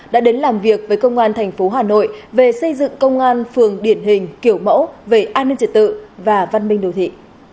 đã đến làm việc với công an thành phố hà nội về xây dựng công an phường điển hình kiểu mẫu về an ninh trật tự và văn minh đồ thị